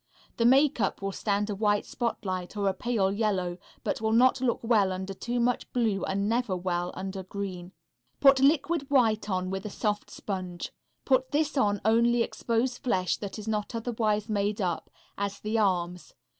The makeup will stand a white spotlight or a pale yellow, but will not look well under too much blue and never well under green. Put liquid white on with a soft sponge. Put this on only exposed flesh that is not otherwise made up, as the arms.